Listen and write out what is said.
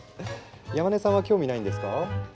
山根さんは興味ないんですか？